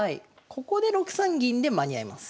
ここで６三銀で間に合います。